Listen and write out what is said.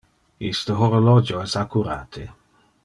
Iste horologio es accurate.